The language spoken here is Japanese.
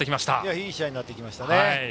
いい試合になってきました。